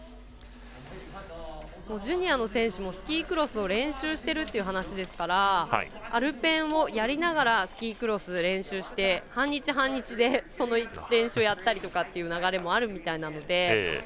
ジュニアの選手もスキークロスを練習してるという話ですからアルペンをやりながらスキークロス練習して半日、半日でその練習をやったりという流れもあるみたいなので。